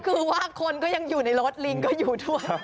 คือว่าคนก็ยังอยู่ในรถลิงก็อยู่ด้วย